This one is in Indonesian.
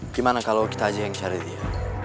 gimana kalau kita aja yang cari dia